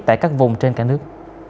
tại các vùng trên cả nước